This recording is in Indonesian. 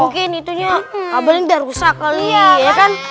mungkin itunya kabelnya udah rusak kali ya kan